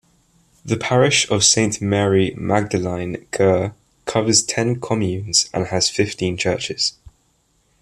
The parish of Saint Mary Magdalene Gier covers ten communes and has fifteen churches.